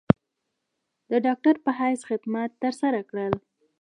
د ډاکټر پۀ حېث خدمات تر سره کړل ۔